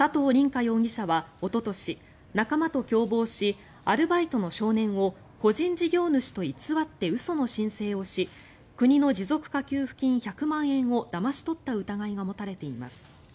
凛果容疑者はおととし仲間と共謀しアルバイトの少年を個人事業主と偽って嘘の申請をし国の持続化給付金１００万円をだまし取った疑いが持たれています。